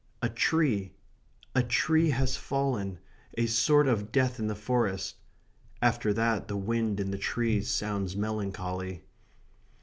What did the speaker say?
A tree a tree has fallen, a sort of death in the forest. After that, the wind in the trees sounds melancholy.